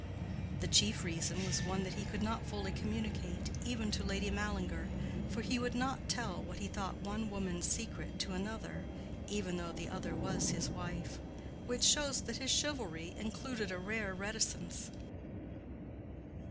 The chief reason was one that he could not fully communicate, even to Lady Mallinger—for he would not tell what he thought one woman's secret to another, even though the other was his wife—which shows that his chivalry included a rare reticence.